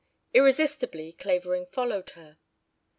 Irresistibly, Clavering followed her.